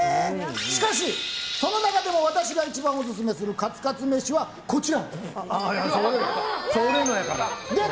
しかし、その中でも私が一番オススメするカツカツ飯は出た！